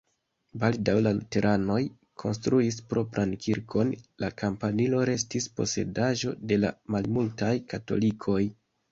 Baldaŭ la luteranoj konstruis propran kirkon, la kampanilo restis posedaĵo de la malmultaj katolikoj.